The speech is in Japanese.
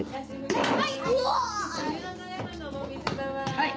はい！